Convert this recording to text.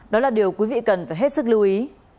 đó là điều quý vị cần phải hết sức lưu ý